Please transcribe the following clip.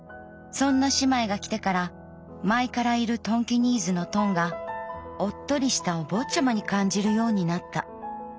そんな姉妹が来てから前からいるトンキニーズのトンがおっとりしたおぼっちゃまに感じるようになった。